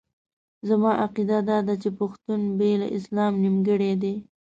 زما عقیده داده چې پښتون بې له اسلام نیمګړی دی.